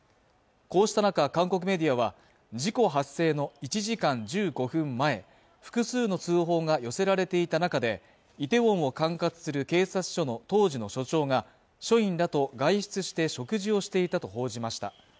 こうした中韓国メディアは事故発生の１時間１５分前複数の通報が寄せられていた中でイテウォンを管轄する警察署の当時の所長が所員らと外出して食事をしていたと報じました